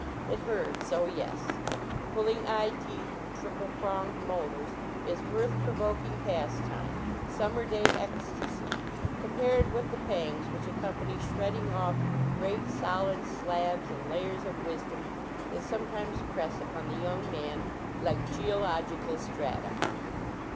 It hurts, oh yes. Pulling eye teeth and triple pronged molars is mirth pro voking pastime summer clay ecstacy com pared with the pangs which accompany >hredding off great olid slabs and layers of wisdom that sometimes pre upon the young man like geological strata.